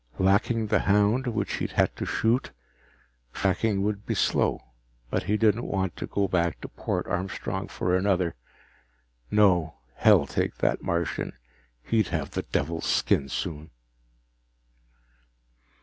Lacking the hound, which he'd had to shoot, tracking would be slow, but he didn't want to go back to Port Armstrong for another. No, hell take that Martian, he'd have the devil's skin soon!